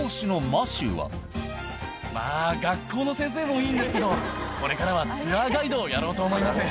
まあ、学校の先生もいいんですけど、これからはツアーガイドをやろうと思います。